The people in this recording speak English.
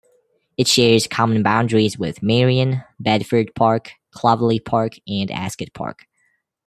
It shares common boundaries with Marion, Bedford Park, Clovelly Park, and Ascot Park.